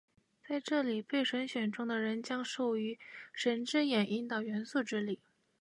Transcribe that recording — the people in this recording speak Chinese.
在这里，被神选中的人将被授予「神之眼」，引导元素之力。